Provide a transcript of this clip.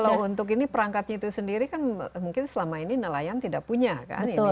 kalau untuk ini perangkatnya itu sendiri kan mungkin selama ini nelayan tidak punya kan ini